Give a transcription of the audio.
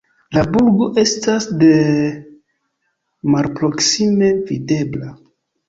La burgo estas de malproksime videbla.